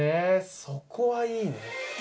そこはいいね。